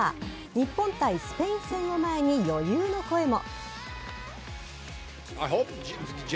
日本対スペイン戦を前に余裕の声も。